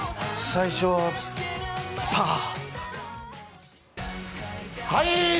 最初はパー！